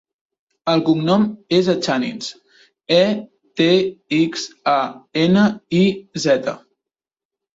El cognom és Etxaniz: e, te, ics, a, ena, i, zeta.